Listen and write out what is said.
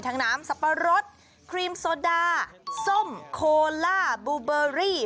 น้ำสับปะรดครีมโซดาส้มโคล่าบูเบอรี่